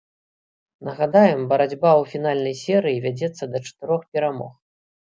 Нагадаем, барацьба ў фінальнай серыі вядзецца да чатырох перамог.